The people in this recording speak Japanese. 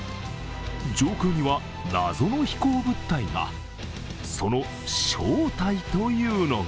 上空には謎の飛行物体が。